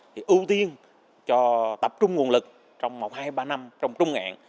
thì ưu tiên cho tập trung nguồn lực trong một hai ba năm trong trung hạn